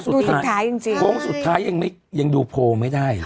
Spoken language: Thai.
ดูสุดท้ายจริงโค้งสุดท้ายยังไม่ยังดูโพลไม่ได้